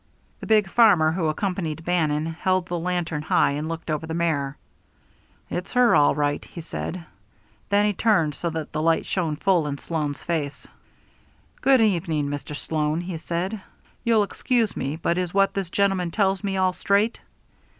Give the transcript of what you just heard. The big farmer who accompanied Bannon held the lantern high and looked over the mare. "It's her all right," he said. Then he turned so that the light shone full in Sloan's face. "Good evening, Mr. Sloan," he said. "You'll excuse me, but is what this gentleman tells me all straight?"